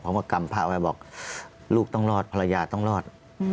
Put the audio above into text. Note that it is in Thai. เพราะว่ากรรมพ่อไปบอกลูกต้องรอดภรรยาต้องรอด